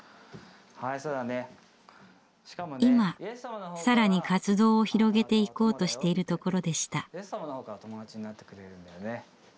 今更に活動を広げていこうとしているところでした。